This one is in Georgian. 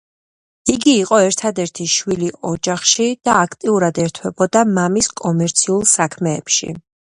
იგი იყო ერთადერთი შვილი ოჯახში და აქტიურად ერთვებოდა მამის კომერციულ საქმეებში.